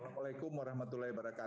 assalamualaikum warahmatullahi wabarakatuh